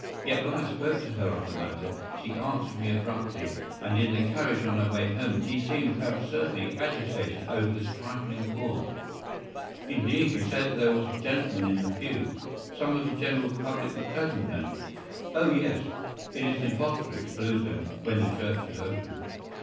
Yet, when I spoke to her of the matter, she answered me abruptly; and in the carriage, on our way home, she seemed absurdly agitated over this trifling cause.” “Indeed! You say that there was a gentleman in the pew. Some of the general public were present, then?” “Oh yes. It is impossible to exclude them when the church is open.